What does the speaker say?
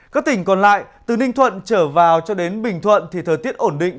các tỉnh còn lại từ ninh thuận trở vào cho đến bình thuận thì thời tiết ổn định